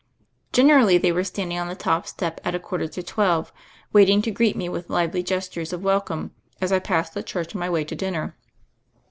Generally, they were standing on the top step at a quarter to twelve waiting to greet me with lively gestures of welcome as I passed the church on my way to dinner.